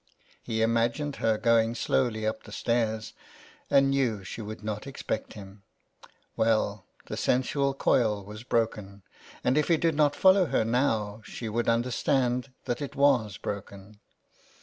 He imagined her going slowly up the stairs and knew she would not expect him. Well, the sensual coil was broken, and if he did not follow her now she would understand that it was broken.